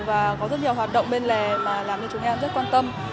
và có rất nhiều hoạt động bên lề mà làm cho chúng em rất quan tâm